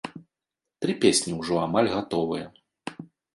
Тры песні ўжо амаль гатовыя.